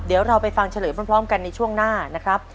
เดี๋ยวเราไปฟังเฉลยพร้อมกันในช่วงหน้านะครับ